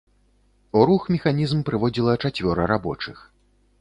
У рух механізм прыводзіла чацвёра рабочых.